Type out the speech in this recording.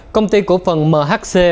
công ty cổ phần mhc